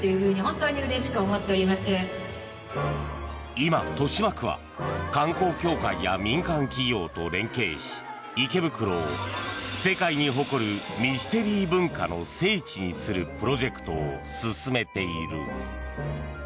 今、豊島区は観光協会や民間企業と連携し池袋を世界に誇るミステリー文化の聖地にするプロジェクトを進めている。